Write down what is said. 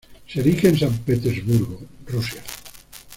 Se erige en San Petersburgo, Rusia.